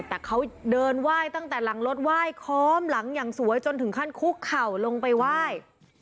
แต่เขาเดินไหว้ตั้งแต่หลังรถไหว้ค้อมหลังอย่างสวยจนถึงขั้นคุกเข่าลงไปไหว้